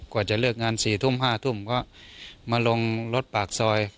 กว่าจะเลิกงาน๔ทุ่ม๕ทุ่มก็มาลงรถปากซอย